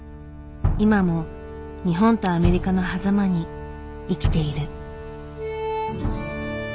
今も日本とアメリカのはざまに生きている。